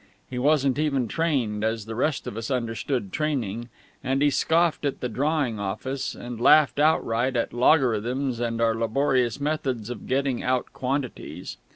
He wasn't even trained, as the rest of us understood training; and he scoffed at the drawing office, and laughed outright at logarithms and our laborious methods of getting out quantities.